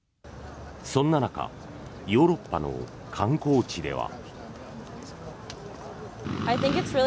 そんな中ヨーロッパの観光地では。